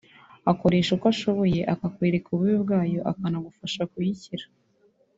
akoresha uko ashoboye akakwereka ububi bwayo akanagufasha kuyikira